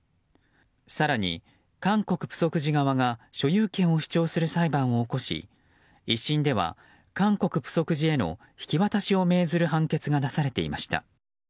更に、韓国プソク寺側が所有権を主張する裁判を起こし１審では韓国プソク寺への引き渡しを命ずる判決が出されていました。